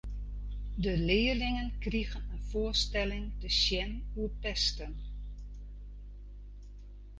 De learlingen krigen in foarstelling te sjen oer pesten.